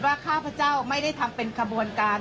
ข้าพเจ้าไม่ได้ทำเป็นขบวนการ